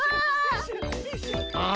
ああ。